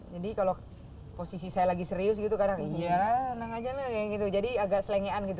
jadi kalau posisi saya lagi serius gitu karena iya neng aja kayak gitu jadi agak selengean gitu